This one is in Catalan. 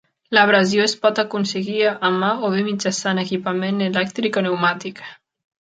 L'abrasió es pot aconseguir a mà o bé mitjançant equipament elèctric o pneumàtic.